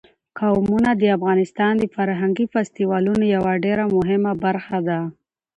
قومونه د افغانستان د فرهنګي فستیوالونو یوه ډېره مهمه برخه ده.